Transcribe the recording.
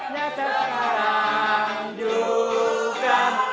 nyata sekarang juga